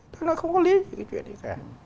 tôi nói không có lý gì cái chuyện gì cả